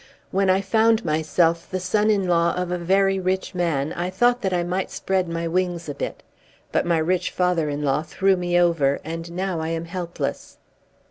When I found myself the son in law of a very rich man I thought that I might spread my wings a bit. But my rich father in law threw me over, and now I am helpless.